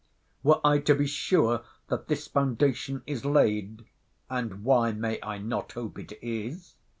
Were I to be sure that this foundation is laid [And why may I not hope it is?